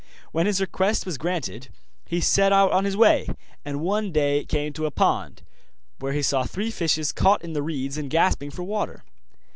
When his request was granted he set out on his way, and one day came to a pond, where he saw three fishes caught in the reeds and gasping for water.